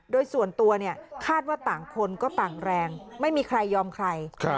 โดยส่วนตัวคาดว่าต่างคนก็ต่างแรงไม่มีใครยอมใคร